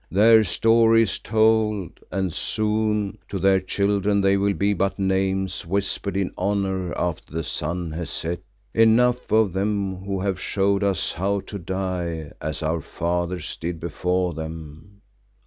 Their story is told and soon to their children they will be but names whispered in honour after the sun has set. Enough of them who have showed us how to die as our fathers did before them."